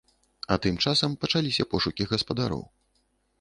А тым часам пачаліся пошукі гаспадароў.